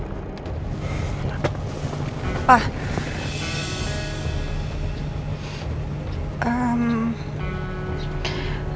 tolong bantu doain pernikahan aku sama nino ya pak